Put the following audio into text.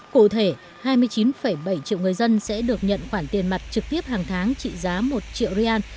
cụ thể hai mươi chín bảy triệu người dân sẽ được nhận khoản tiền mặt trực tiếp hàng tháng trị giá một triệu rian